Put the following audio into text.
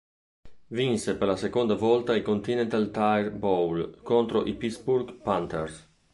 Vinse per la seconda volta il Continental Tire Bowl contro i Pittsburgh Panthers.